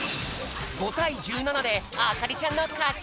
５たい１７であかりちゃんのかち！